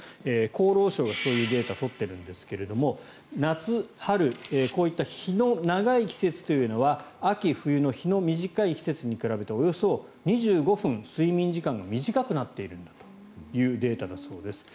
厚労省がそういうデータを取ってるんですが春夏、こういった日の長い季節というのは秋冬の日の短い季節に比べておよそ２５分睡眠時間が短くなっているというデータがあります。